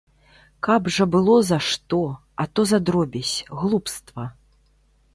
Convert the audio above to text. Каб жа было за што, а то за дробязь, глупства.